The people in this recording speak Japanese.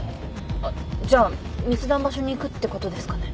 あっじゃあ密談場所に行くってことですかね。